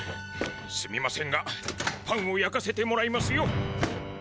すみませんがパンをやかせてもらいますよ。